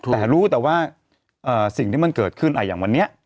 แต่รู้แต่ว่าสิ่งที่มันเกิดขึ้นอย่างวันนี้